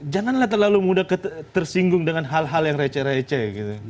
janganlah terlalu mudah tersinggung dengan hal hal yang receh receh